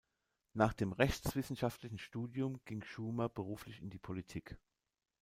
Nach dem rechtswissenschaftlichen Studium ging Schumer beruflich in die Politik.